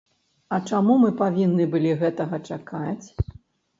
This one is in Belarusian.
А чаму мы павінны былі гэтага чакаць?